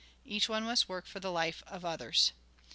Each one must work for the life of others.